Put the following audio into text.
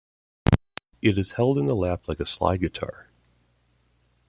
It is held in the lap like a slide guitar.